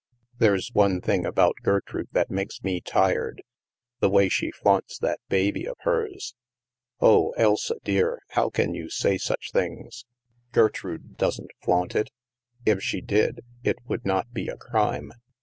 " There's one thing about Gertrude that makes me tired. The way she flaunts that baby of hers —" "Oh, Elsa dear, how can you say such things. Gertrude doesn't flaunt it If she did, it would not be a crime.